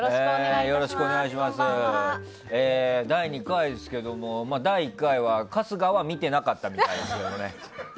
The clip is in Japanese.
第２回ですけども第１回は春日は見てなかったみたいですね。